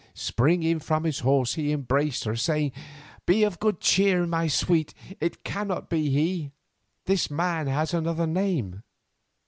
Springing from his horse he embraced her, saying, "Be of good cheer, sweet, it cannot be he. This man has another name."